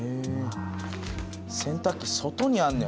洗濯機外にあんねや。